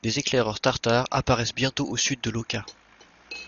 Des éclaireurs tartares apparaissent bientôt au sud de l’Oka.